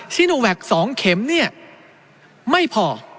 ซีโนแวค๒เข็มเนี่ยไม่พอ